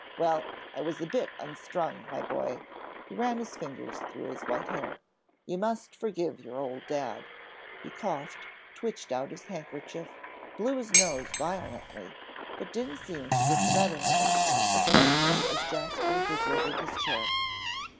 "Well, I was a bit unstrung, my boy," he ran his fingers through his white hair, "you must forgive your old dad." He coughed, twitched out his handkerchief, blew his nose violently, but didn't seem to get the better of it, especially as Jasper deserted his chair.